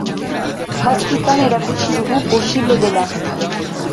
Praktikan erakutsi dugu posible dela.